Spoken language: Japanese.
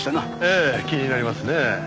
ええ気になりますね。